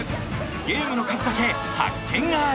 ゲームの数だけ発見がある！